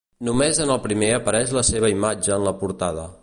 Només en el primer apareix la seva imatge en la portada.